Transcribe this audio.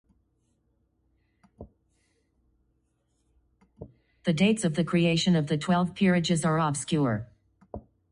The dates of the creation of the twelve peerages are obscure.